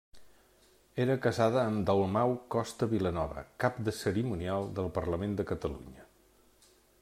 Era casada amb Dalmau Costa Vilanova, cap de cerimonial del Parlament de Catalunya.